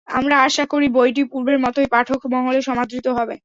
আমরা আশা করি বইটি পূর্বের মতোই পাঠক মহলে সমাদৃত হবে।